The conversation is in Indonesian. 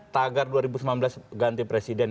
tagar dua ribu sembilan belas ganti presiden